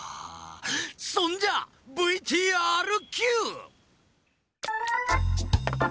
そんじゃＶＴＲキュー！